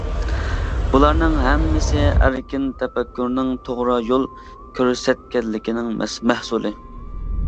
بۇلارنىڭ ھەممىسى ئەركىن تەپەككۇرنىڭ توغرا يول كۆرسەتكەنلىكىنىڭ مەھسۇلى.